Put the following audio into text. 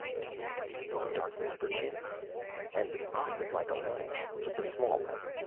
Do you feed on darkness, perchance?... And I would like a light... just a small light...